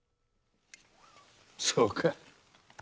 そうか。